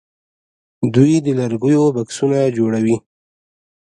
دوی د لرګیو بکسونه جوړوي.